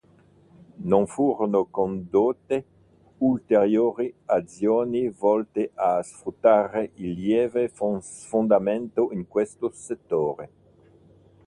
Non furono condotte ulteriori azioni volte a sfruttare il lieve sfondamento in questo settore.